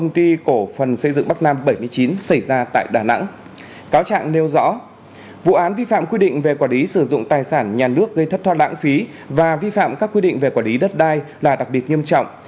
tội vi phạm quy định về quả lý sử dụng tài sản nhà nước gây thất thoát lãng phí và vi phạm các quy định về quả lý đất đai là đặc biệt nghiêm trọng